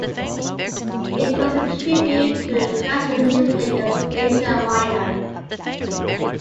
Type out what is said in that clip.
It was a tribute to the traditional music of Asia Minor.